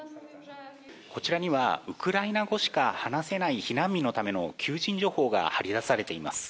こちらにはウクライナ語しか話せない避難民のための求人情報が貼り出されています。